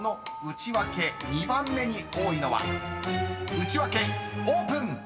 ［内訳オープン！］